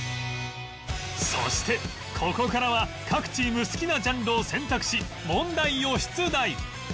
そしてここからは各チーム好きなジャンルを選択し問題を出題